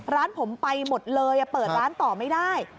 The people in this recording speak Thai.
ร้านผมไปหมดเลยเปิดร้านต่อไม่ได้